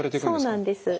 そうなんですはい。